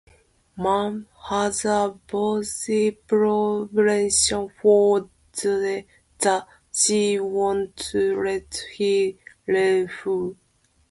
Momo has a business proposition for Joe that she won't let him refuse.